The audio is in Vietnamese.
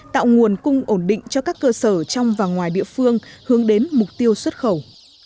tạo nguồn cung ổn định cho các cơ sở trong và ngoài địa phương hướng đến mục tiêu xuất khẩu